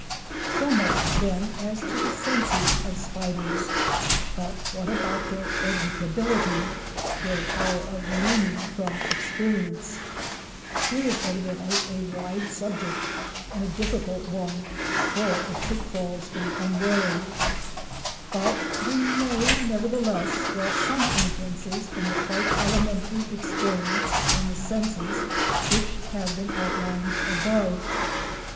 So much, then, as to the senses of spiders; but what about their "educability"—their power of learning from experience? Here is evidently a wide subject, and a difficult one full of pit falls for the unwary, but we may nevertheless draw some inferences from the quite elementary experiments on the senses which have been outlined above.